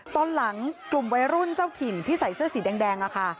ตอนหลังกลุ่มวัยรุ่นเจ้าถิ่นที่ใส่เสื้อสีแดงค่ะ